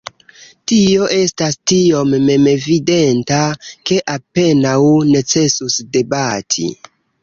Tio estas tiom memevidenta, ke apenaŭ necesus debati.